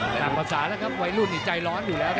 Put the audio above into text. ตามภาษาแล้วครับวัยรุ่นนี่ใจร้อนอยู่แล้ว